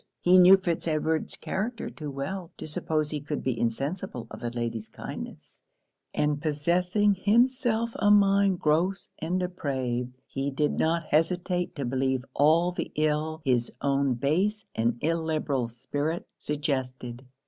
He knew Fitz Edward's character too well to suppose he could be insensible of the lady's kindness; and possessing himself a mind gross and depraved, he did not hesitate to believe all the ill his own base and illiberal spirit suggested.